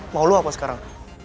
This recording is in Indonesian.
mau lo apa sekarang